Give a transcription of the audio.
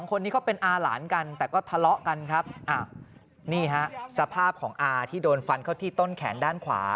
คนนี้เขาเป็นอาหลานกันแต่ก็ทะเลาะกันครับนี่ฮะสภาพของอาที่โดนฟันเข้าที่ต้นแขนด้านขวา